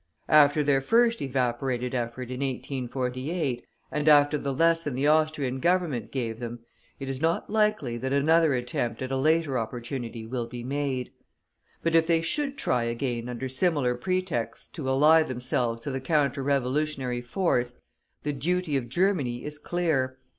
After their first evaporated effort in 1848, and after the lesson the Austrian Government gave them, it is not likely that another attempt at a later opportunity will be made. But if they should try again under similar pretexts to ally themselves to the counter revolutionary force, the duty of Germany is clear.